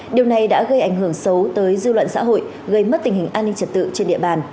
điều này đã gây ảnh hưởng xấu tới dư luận xã hội gây mất tình hình an ninh trật tự trên địa bàn